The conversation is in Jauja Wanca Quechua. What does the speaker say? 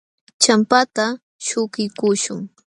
Champata śhukiykuśhun.